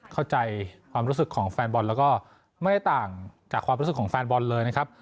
เข้าใจความรู้สึกของแฟนบอลแล้วก็ไม่ได้ต่างจากความรู้สึกของแฟนบอลเลยนะครับ